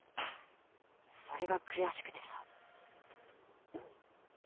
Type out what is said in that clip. それが悔しくてさ。